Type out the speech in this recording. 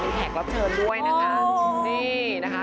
มีแขกรับเชิญด้วยนะคะ